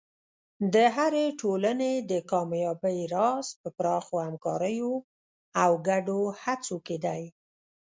د هرې ټولنې د کامیابۍ راز په پراخو همکاریو او ګډو هڅو کې دی.